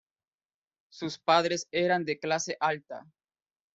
Sus padres eran de clase alta.